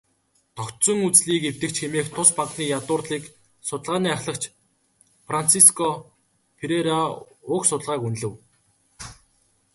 "Тогтсон үзлийг эвдэгч" хэмээн тус банкны ядуурлын судалгааны ахлагч Франсиско Ферреира уг судалгааг үнэлэв.